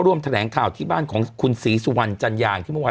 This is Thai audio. แถลงข่าวที่บ้านของคุณศรีสุวรรณจัญญาที่เมื่อวาน